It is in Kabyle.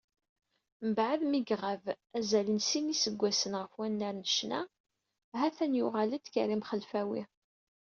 Mbeɛd mi iɣab azal n sin n yiseggasen ɣef unnar n ccna, ha-t-an yuɣal-d Karim Xelfawi.